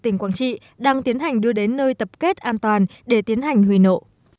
tỉnh quảng trị đang tiến hành đưa đến nơi tập kết an toàn để tiến hành huy nộ